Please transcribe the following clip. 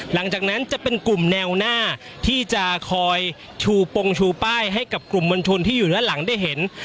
หลังจากนั้นจะเป็นกลุ่มแนวหน้าที่จะคอยชูปงชูป้ายให้กับกลุ่มมวลชนที่อยู่ด้านหลังได้เห็น